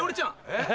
えっ？